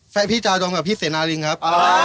พี่จาดองกับพี่เสนาลิงครับ